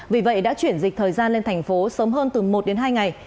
vì vậy đã chuyển dịch thời gian lên thành phố sớm hơn từ một đến hai ngày